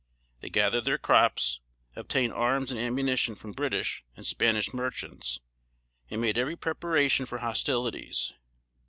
They gathered their crops, obtained arms and ammunition from British and Spanish merchants, and made every preparation for hostilities.